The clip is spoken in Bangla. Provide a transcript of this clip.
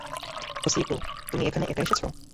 হশিকো, তুমি এখানে একা এসেছ?